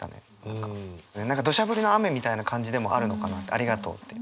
何かどしゃ降りの雨みたいな感じでもあるのかなって「ありがとう」って。